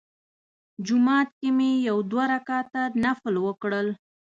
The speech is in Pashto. جومات کې مې یو دوه رکعته نفل وکړل.